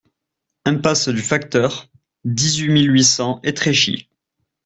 Impasse du Facteur, dix-huit mille huit cents Étréchy